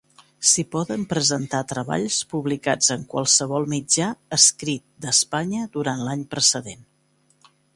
S'hi poden presentar treballs publicats en qualsevol mitjà escrit d'Espanya durant l'any precedent.